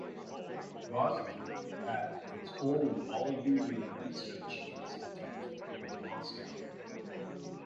Goznak had its own All-union Research Institute in Moscow.